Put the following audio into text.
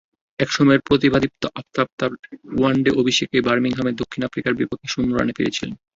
একসময়ের প্রতিভাদীপ্ত আফতাব তাঁর ওয়ানডে অভিষেকেই বার্মিংহামে দক্ষিণ আফ্রিকার বিপক্ষে শূন্যরানে ফিরেছিলেন।